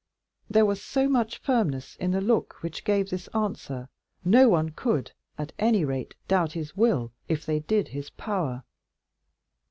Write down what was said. There was so much firmness in the look which gave this answer, no one could, at any rate, doubt his will, if they did his power.